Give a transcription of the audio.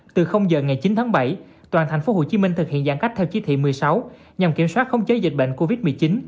từ giờ ngày chín tháng bảy toàn thành phố hồ chí minh thực hiện giãn cách theo chí thị một mươi sáu nhằm kiểm soát khống chế dịch bệnh covid một mươi chín